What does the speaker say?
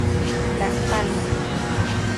Las Palmas.